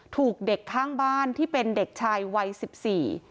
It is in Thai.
ถูกเด็กข้างบ้านที่เป็นเด็กชายวัยสิบสี่